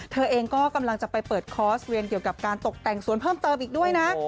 เธอเองก็กำลังจะไปเปิดคอร์สเรียนเกี่ยวกับการตกแต่งสวนเพิ่มเติมอีกด้วยนะ